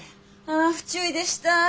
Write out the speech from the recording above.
ああ不注意でした！